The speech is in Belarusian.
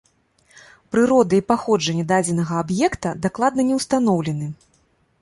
Прырода і паходжанне дадзенага аб'екта дакладна не ўстаноўлены.